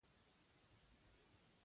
خو چې څو دوی هلته ور ورسېدل طالب نه و.